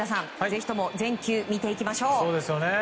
ぜひとも全球見ていきましょう。